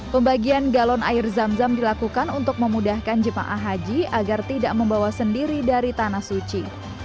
pembagian galon air zam zam dilakukan untuk memudahkan jemaah haji agar tidak membawa sendiri dari tanah suci